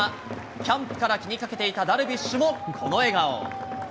キャンプから気にかけていたダルビッシュもこの笑顔。